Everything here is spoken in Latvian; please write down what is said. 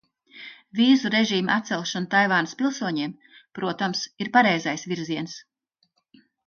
Vīzu režīma atcelšana Taivānas pilsoņiem, protams, ir pareizais virziens.